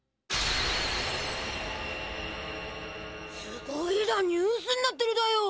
すごいだニュースになってるだよ。